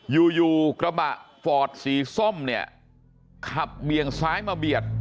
อยู่อยู่กระบะฟอร์ดสีส้มเนี่ยขับเบี่ยงซ้ายมาเบียด